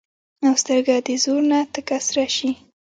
او سترګه د زور نه تکه سره شي